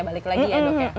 balik lagi ya dok ya